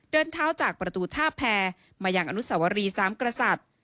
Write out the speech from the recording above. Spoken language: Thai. เดินเท้าจากประตูท่าแพรมายังอนุสวรีสามกษัตริย์